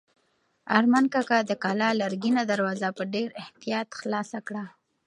ارمان کاکا د کلا لرګینه دروازه په ډېر احتیاط خلاصه کړه.